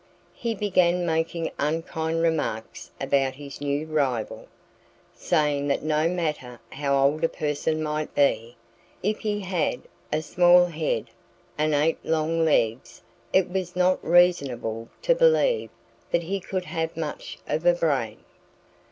He began making unkind remarks about his new rival, saying that no matter how old a person might be, if he had a small head and eight long legs it was not reasonable to believe that he could have much of a brain.